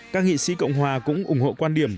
các nghị sĩ cộng hòa cũng ủng hộ quan điểm